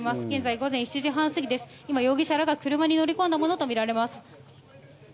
午前７時半過ぎ、容疑者らが車に乗り込んだものとみられます。